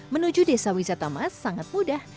menuju desa wisata mas sangat mudah